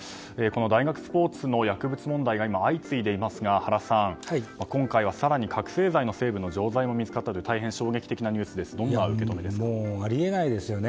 大学スポーツの薬物問題が相次いでいますが原さん、今回は更に覚醒剤の成分の錠剤が見つかったということで大変衝撃的なニュースですがあり得ないですね。